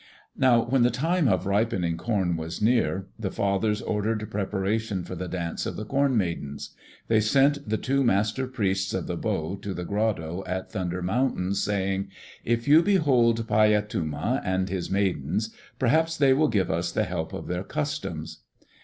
Now when the time of ripening corn was near, the fathers ordered preparation for the dance of the Corn Maidens. They sent the two Master Priests of the Bow to the grotto at Thunder Mountains, saying, "If you behold Paiyatuma, and his maidens, perhaps they will give us the help of their customs."